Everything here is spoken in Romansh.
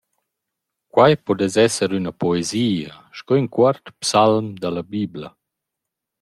Quai pudess esser üna poesia sco ün cuort psalm da la Bibla.